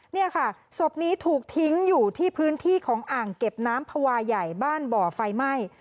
นี่ค่ะศพนี้ถูกทิ้งอยู่ที่พื้นที่ของอ่างเก็บน้ำภาวะใหญ่บ้านบ่อไฟไหม้